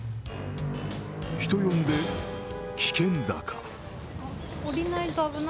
人呼んで、危険坂。